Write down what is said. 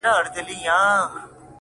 • هم شهید وي هم غازي پر زمانه وي ,